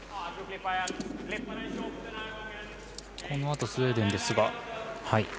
このあとスウェーデンですが。